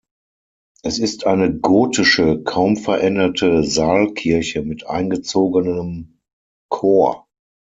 Es ist eine gotische, kaum veränderte Saalkirche mit eingezogenem Chor.